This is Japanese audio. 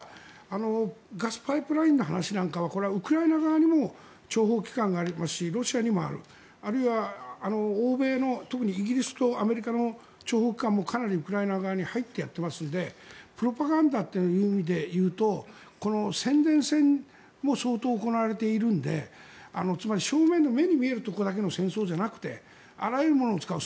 ただガスパイプラインの話なんかはこれはウクライナ側にも諜報機関がありますしロシアにもあるあるいは欧米の特にイギリスとかアメリカの諜報機関もかなりウクライナ側に入ってやっていますのでプロパガンダという意味でいうと宣伝戦も相当行われているのでつまり、正面の目に見えるところの戦争だけじゃなくてあらゆるものを使う。